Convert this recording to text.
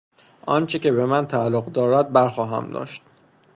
آنچه را که بهمن تعلق دارد برخواهم داشت.